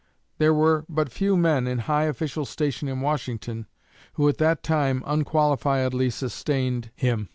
There were but few men in high official station in Washington who at that time unqualifiedly sustained him.